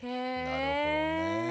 なるほどね。